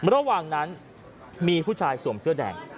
ระหว่างนั้นมีผู้ชายสวมเสื้อแดง